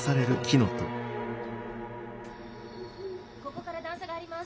ここから段差があります。